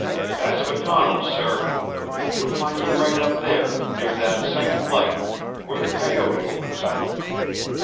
"That's MacDonald, sir. You'll find him right up there near that second light, where the coyote opens up.